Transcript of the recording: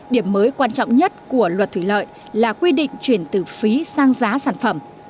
điểm mới quan trọng nhất của luật thủy lợi là quy định chuyển từ phí sang giá sản phẩm